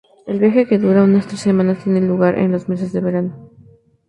El viaje, que dura unas tres semanas, tiene lugar en los meses de verano.